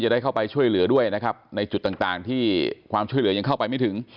ได้เข้าไปช่วยเหลือด้วยนะครับในจุดต่างที่ความช่วยเหลือยังเข้าไปไม่ถึง